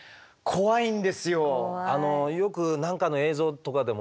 よく何かの映像とかでもね